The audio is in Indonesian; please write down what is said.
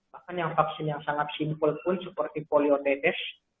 bahkan yang vaksin yang sangat simpel pun seperti poliotetes